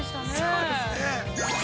◆そうですね。